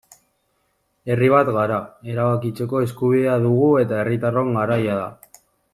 Herri bat gara, erabakitzeko eskubidea dugu eta herritarron garaia da.